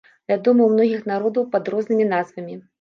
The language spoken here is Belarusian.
Вядомы ў многіх народаў пад рознымі назвамі.